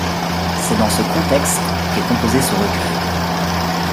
C'est dans ce contexte qu'est composé ce recueil.